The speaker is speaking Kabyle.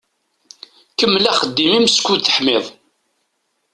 Kemmel axeddim-im skud teḥmiḍ.